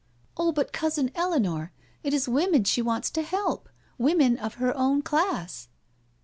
" Oh, but Cousin Eleanor, it is women she wants to help— women of her own class."